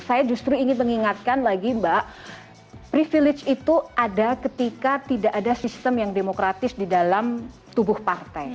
saya justru ingin mengingatkan lagi mbak privilege itu ada ketika tidak ada sistem yang demokratis di dalam tubuh partai